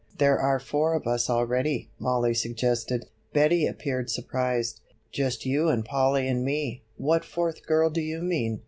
"There are four of us already," Mollie suggested. Betty appeared surprised. "Just you and Polly and me; what fourth girl do you mean?"